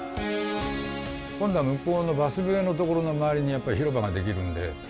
今度は向こうのバス停の所の周りにやっぱり広場ができるんで。